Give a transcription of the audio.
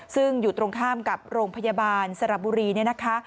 ซึ่งอยู่ตรงข้ามกับโรงพยาบาลสระบุรีเนี่ยนะคะ